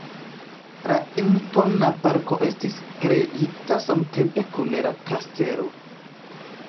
La impona parko estis kreita samtempe kun la kastelo.